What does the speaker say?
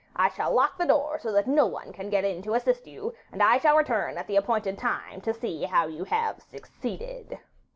I shall lock the door, so that no one can get in to assist you, and I shall return at the appointed time to see how you have succeeded.